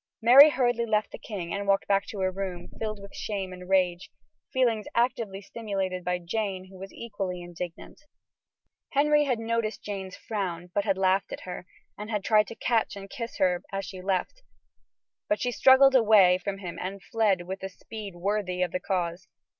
Mary hurriedly left the king and walked back to her room, filled with shame and rage; feelings actively stimulated by Jane, who was equally indignant. Henry had noticed Jane's frown, but had laughed at her, and had tried to catch and kiss her as she left; but she struggled away from him and fled with a speed worthy of the cause.